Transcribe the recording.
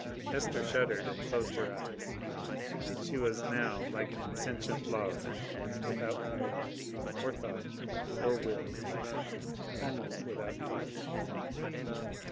Esther shuddered and closed her eyes. She was now like an insentient log, without power, or thought, or will almost without feeling.